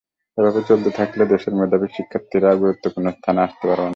এভাবে চলতে থাকলে দেশের মেধাবী শিক্ষার্থীরা গুরুত্বপূর্ণ স্থানে আসতে পারবেন না।